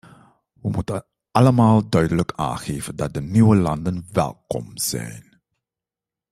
Wij moeten allemaal duidelijk aangeven dat de nieuwe landen welkom zijn.